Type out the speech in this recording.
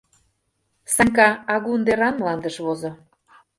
Санька агун деран мландыш возо.